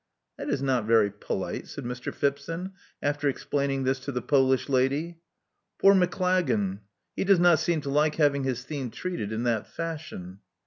*'That is not very polite," said Mr. Phipson, after explaining this to the Polish lady. Poor Maclagan! He does not seem to like having his theme treated in that fashion."